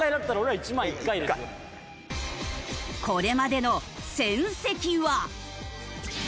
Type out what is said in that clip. これまでの戦績は。